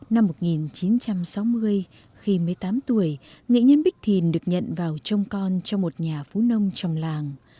năm một nghìn chín trăm sáu mươi khi mới tám tuổi nghệ nhân bích thìn được nhận vào trông con trong một nhà phú nông trong làng